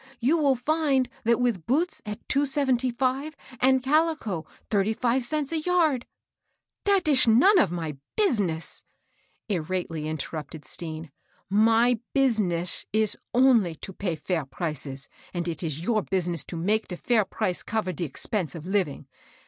You will find that with boots at two seventy five, and calico thirty five cents a yard "—" Dat ish none of my business," irately in terrupted Steau ;" my business ish only to pay feir prices, and it ish your business to make de fair price cover de expense of living.